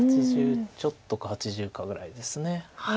８０ちょっとか８０かぐらいです。